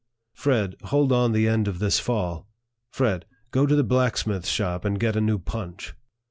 "Fred., hold on the end of this fall." "Fred., go to the blacksmith's shop, and get a new punch."